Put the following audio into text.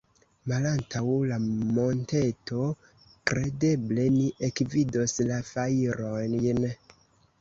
Malantaŭ la monteto, kredeble, ni ekvidos la fajrojn.